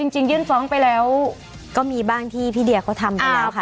ยื่นฟ้องไปแล้วก็มีบ้างที่พี่เดียเขาทำไปแล้วค่ะ